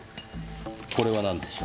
これはなんでしょう？